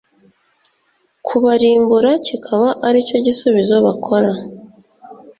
kubarimbura kikaba aricyo gisubizo bakora.